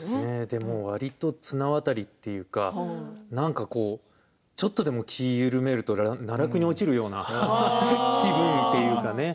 でもわりと綱渡りというかなんかちょっとでも気を緩めると奈落に落ちるような気分というかね。